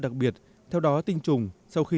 đặc biệt theo đó tinh trùng sau khi